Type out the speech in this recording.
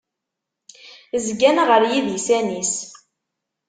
Zzgan ɣer yidisan-is.